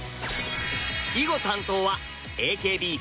囲碁担当はＡＫＢ４８。